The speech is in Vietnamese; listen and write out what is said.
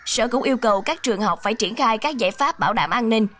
sở cũng yêu cầu các trường học phải triển khai các giải pháp bảo đảm an ninh